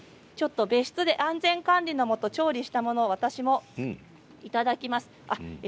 別室で安全管理のもと調理したものを私もいただきます。